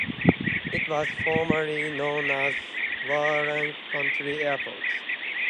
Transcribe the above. It was formerly known as Warren County Airport.